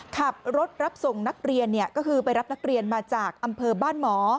ขับรถรับส่งนักเรียนก็คือไปรับนักเรียนมาจากอำเภอบ้านหมอ